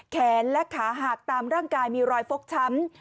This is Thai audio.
แขนและขาหักตามร่างกายมีรอยฟกช้ำ